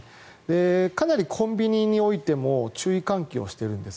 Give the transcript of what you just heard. かなりコンビニにおいても注意喚起をしているんです。